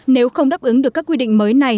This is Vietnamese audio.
nếu không đáp ứng được các quy định mới này